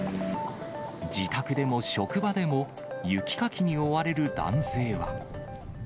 自宅でも職場でも雪かきに追われる男性は。